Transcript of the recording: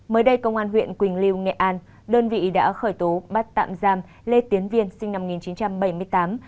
mới đây công an huyện quỳnh liêu nghệ an đơn vị đã khởi tố bắt tạm giam lê tiến viên sinh năm một nghìn chín trăm bảy mươi tám